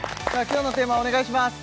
今日のテーマお願いします